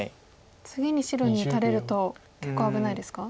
次に白に打たれると結構危ないですか？